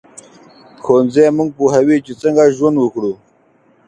ښوونځی موږ پوهوي چې څنګه ژوند وکړو